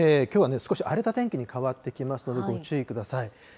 きょうは、少し荒れた天気に変わってきますので、ご注意ください。